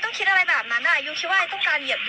วันนี้คุณหาความรักสร้างจากความดำเนิง